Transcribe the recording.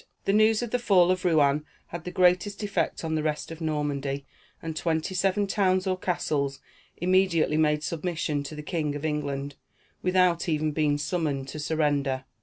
The news of the fall of Rouen had the greatest effect on the rest of Normandy, and twenty seven towns, or castles, immediately made submission to the King of England, without even being summoned to surrender.